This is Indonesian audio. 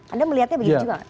anda melihatnya begitu juga